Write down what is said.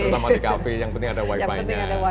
terutama di cafe yang penting ada wifi nya